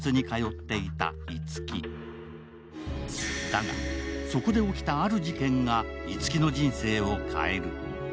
だが、そこで起きたある事件が、樹の人生を変える。